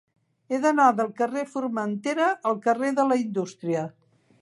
He d'anar del carrer de Formentera al carrer de la Indústria.